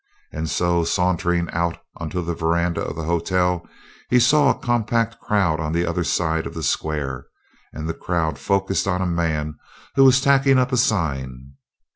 And so, sauntering out onto the veranda of the hotel, he saw a compact crowd on the other side of the square and the crowd focused on a man who was tacking up a sign.